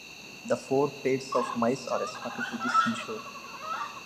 The four pairs of mice are escorted to the seashore.